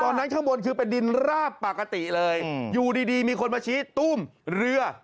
ข้างบนคือเป็นดินราบปกติเลยอยู่ดีมีคนมาชี้ตุ้มเรือ